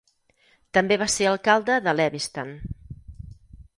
També va ser alcalde de Lewiston.